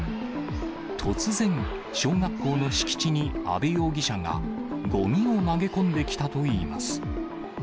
突然、小学校の敷地に阿部容疑者が、ごみを投げ込んできたといいます。